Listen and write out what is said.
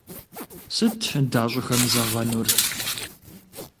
Сыт дащӏыхэмызэгъэнур?